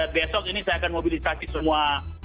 besok ini saya akan mobilisasi semua